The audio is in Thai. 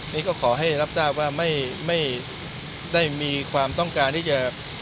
นี่ก็ขอให้รับทราบว่าไม่ได้มีความต้องการที่จะ